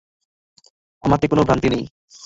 আমাতে কোন ভ্রান্তি নেই।